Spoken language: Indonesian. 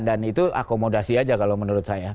dan itu akomodasi aja kalau menurut saya